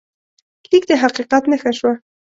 لیک د حقیقت نښه شوه.